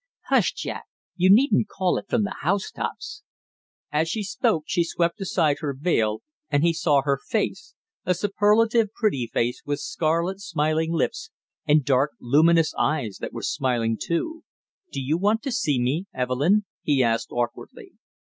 "Hush, Jack, you needn't call it from the housetops!" As she spoke she swept aside her veil and he saw her face, a superlatively pretty face with scarlet smiling lips and dark luminous eyes that were smiling, too. "Do you want to see me, Evelyn?" he asked awkwardly.